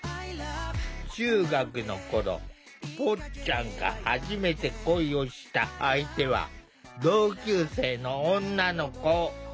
中学の頃ぽっちゃんが初めて恋をした相手は同級生の女の子。